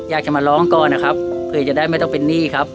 อยากจะมาร้องก่อนนะครับเผื่อจะได้ไม่ต้องเป็นหนี้ครับ